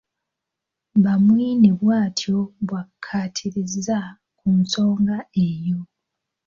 Bamwine bw'atyo bw'akkaatirizza ku nsonga eyo.